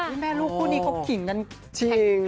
พี่แม่ลูกผู้นี้ก็กินจริง